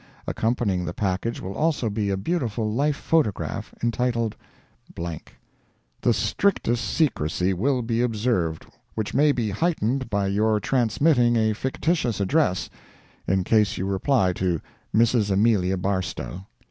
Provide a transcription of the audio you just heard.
Accompanying the package will also be a beautiful life photograph, entitled "." The strictest secrecy will be observed, which may be heightened by your transmitting a fictitious address, in case you reply to MRS. AMELIA BARSTOW.